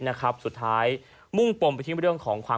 นะครับสุดท้ายมุ่งปมไปที่เรื่องของความ